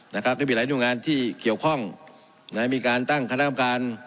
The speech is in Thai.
นะครับก็มีหลายหน่วยงานที่เกี่ยวข้องนะฮะมีการตั้งคณะกรรมการ